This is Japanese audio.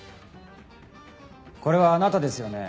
これはあなたですよね？